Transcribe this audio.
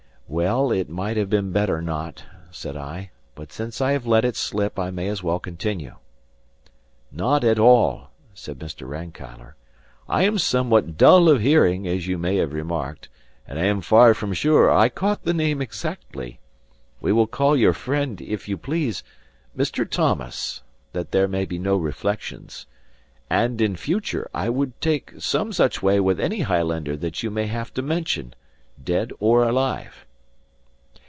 "Well, it might have been better not," said I, "but since I have let it slip, I may as well continue." "Not at all," said Mr. Rankeillor. "I am somewhat dull of hearing, as you may have remarked; and I am far from sure I caught the name exactly. We will call your friend, if you please, Mr. Thomson that there may be no reflections. And in future, I would take some such way with any Highlander that you may have to mention dead or alive."